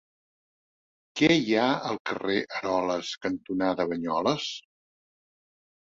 Què hi ha al carrer Aroles cantonada Banyoles?